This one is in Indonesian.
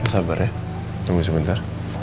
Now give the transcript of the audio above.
sabar ya tunggu sebentar